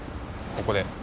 ここで。